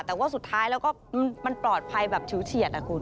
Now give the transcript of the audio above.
แต่ว่าสุดท้ายแล้วก็มันปลอดภัยแบบฉิวเฉียดอ่ะคุณ